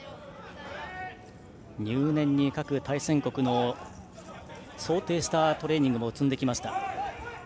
入念に各対戦国との試合を想定したトレーニングを積んできました。